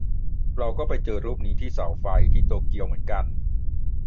เราก็ไปเจอรูปนี้ที่เสาไฟ ที่โตเกียวเหมือนกัน